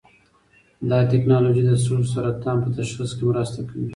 دا ټېکنالوژي د سږو سرطان په تشخیص کې مرسته کوي.